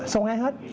số hai hết